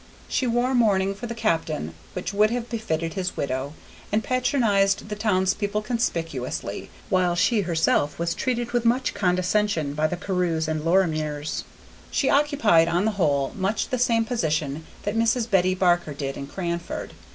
She wore mourning for the captain which would have befitted his widow, and patronized the townspeople conspicuously, while she herself was treated with much condescension by the Carews and Lorimers. She occupied, on the whole, much the same position that Mrs. Betty Barker did in Cranford.